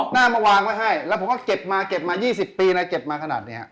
หน้ามาวางไว้ให้แล้วผมก็เก็บมาเก็บมา๒๐ปีแล้วเก็บมาขนาดนี้